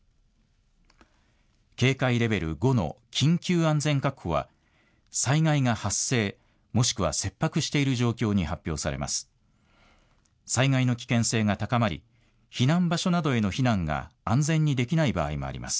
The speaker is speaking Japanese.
警戒レベル５の緊急安全確保は災害が発生、もしくは切迫している状況に発表されます。